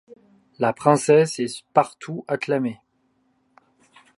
La Princesse est partout acclamée.